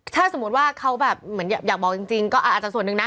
ถ้าสมมุติว่าเขาแบบเหมือนอยากบอกจริงก็อาจจะส่วนหนึ่งนะ